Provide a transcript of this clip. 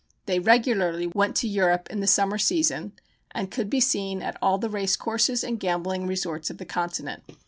They regularly went to Europe in the summer season and could be seen at all the race courses and gambling resorts of the Continent.